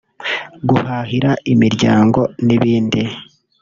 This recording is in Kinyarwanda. guhahira imiryango n’ibindi